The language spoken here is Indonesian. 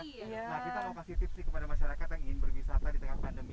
nah kita mau kasih tips nih kepada masyarakat yang ingin berwisata di tengah pandemi